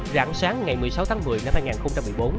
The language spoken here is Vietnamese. rạng sáng ngày một mươi sáu tháng một mươi năm hai nghìn một mươi bốn